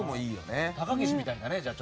じゃあ、高岸みたいだね。